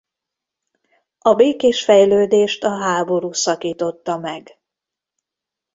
A békés fejlődést a háború szakította meg.